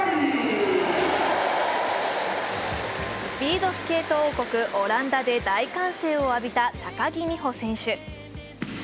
スピードスケート王国、オランダで大歓声を浴びた高木美帆選手。